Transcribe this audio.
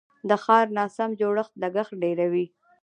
د ښار ناسم جوړښت لګښت ډیروي.